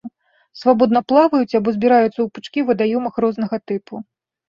Свабодна плаваюць або збіраюцца ў пучкі ў вадаёмах рознага тыпу.